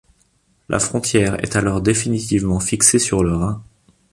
La frontière est alors définitivement fixée sur le Rhin.